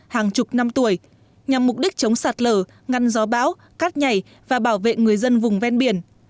hàng chục năm tuổi nhằm mục đích chống sạt lở ngăn gió bão cát nhảy và bảo vệ người dân vùng ven biển